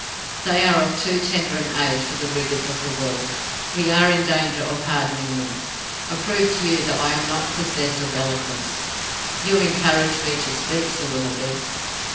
They are of too tender an age for the rigours of the world; we are in danger of hardening them. I prove to you that I am not possessed of eloquence. You encouraged me to speak, Sir Willoughby."